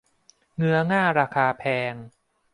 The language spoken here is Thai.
เงื้อง่าราคาแพง